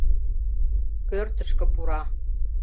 Пӧртышкӧ пура.